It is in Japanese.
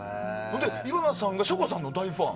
岩名さんが省吾さんの大ファン？